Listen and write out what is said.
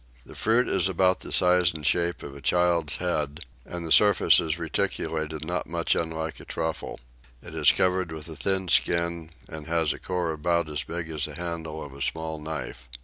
The fruit is about the size and shape of a child's head, and the surface is reticulated not much unlike a truffle: it is covered with a thin skin, and has a core about as big as the handle of a small knife.